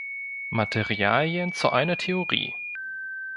Materialien zu einer Theorie".